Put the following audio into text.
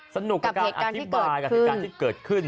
สนุกกับเหตุการณ์ที่เกิดขึ้น